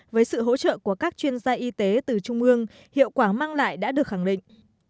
với sự hỗ trợ của các chuyên gia y tế từ trung ương hiệu quả mang lại đã được khẳng định